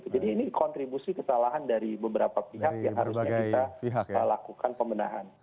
jadi ini kontribusi kesalahan dari beberapa pihak yang harusnya kita lakukan pemenahan